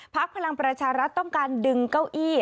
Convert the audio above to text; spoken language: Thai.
พลังประชารัฐต้องการดึงเก้าอี้